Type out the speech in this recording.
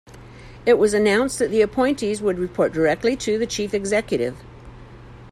It was announced that the appointees would report directly to the chief executive.